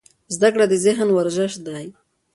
زده کړه د ذهن ورزش دی.